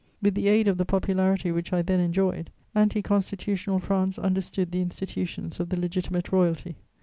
With the aid of the popularity which I then enjoyed, anti Constitutional France understood the institutions of the Legitimate Royalty.